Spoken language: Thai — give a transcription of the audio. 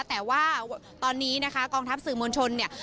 แต่ว่าตอนนี้นะคะกองทัพสื่อมวลชนเนี่ย